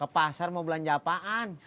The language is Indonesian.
pasar mau belanja apaan